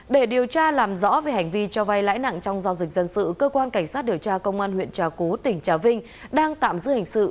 để điều tra làm rõ về hành vi cho vay lãi nặng trong giao dịch dân sự cơ quan cảnh sát điều tra công an huyện trà cú tỉnh trà vinh đang tạm giữ hình sự